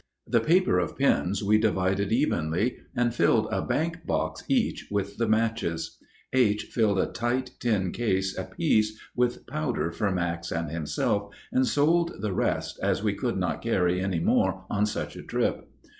The paper of pins we divided evenly, and filled a bank box each with the matches. H. filled a tight tin case apiece with powder for Max and himself and sold the rest, as we could not carry any more on such a trip.